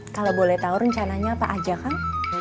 kalo boleh tau rencananya apa aja kan